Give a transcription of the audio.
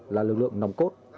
là lực lượng nồng cốt